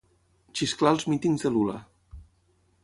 Xisclar als mítings de Lula.